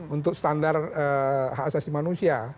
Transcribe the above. untuk standar asasi manusia